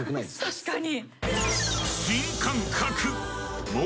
確かに。